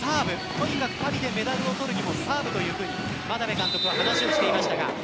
とにかくパリでメダルを取るにはサーブと眞鍋監督は話をしていました。